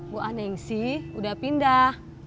bu anengsi udah pindah